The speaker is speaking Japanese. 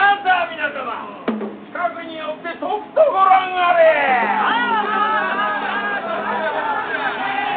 皆様近くに寄ってとくとご覧あれ！